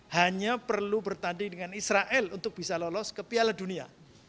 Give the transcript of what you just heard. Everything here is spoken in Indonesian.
hanya perlu bertanding dengan israel untuk bisa lolos ke piala dunia